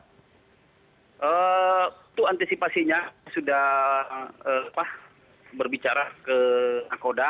itu antisipasinya sudah berbicara ke nakoda